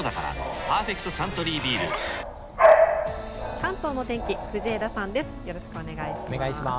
関東の天気、藤枝さんです。